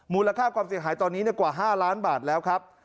มูลค่าความเสียหายตอนนี้กว่า๕ล้านบาทแล้วครับ